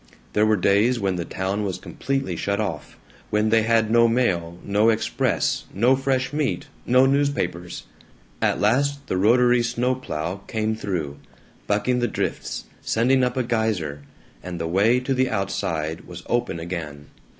There were days when the town was completely shut off, when they had no mail, no express, no fresh meat, no newspapers. At last the rotary snow plow came through, bucking the drifts, sending up a geyser, and the way to the Outside was open again.